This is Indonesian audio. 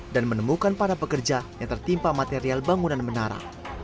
dan menemukan para pekerja yang tertimpa material bangunan menara